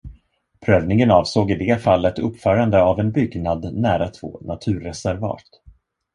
Prövningen avsåg i det fallet uppförande av en byggnad nära två naturreservat.